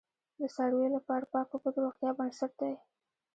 د څارویو لپاره پاک اوبه د روغتیا بنسټ دی.